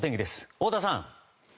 太田さん。